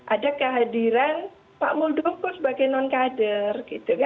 ada kehadiran pak muldoko sebagai non kader